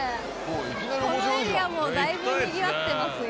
このエリアもだいぶにぎわってますよ。